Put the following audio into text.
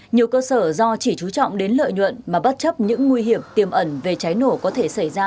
nhiều cơ sở do chỉ chú trọng đến lợi nhuận mà bất chấp những nguy hiểm tiềm ẩn về cháy nổ có thể xảy ra